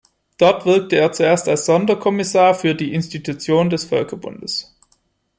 Dort wirkte er zuerst als Sonderkommissar für die Institution des Völkerbundes.